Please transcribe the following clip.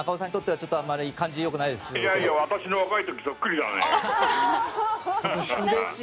はい。